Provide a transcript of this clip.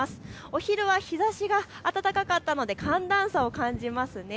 お昼は日ざしが暖かかったので寒暖差を感じますね。